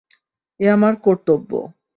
এ আমার কর্তব্য।